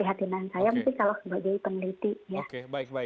itu yang menjadi keprihatinan saya mungkin kalau sebagai peneliti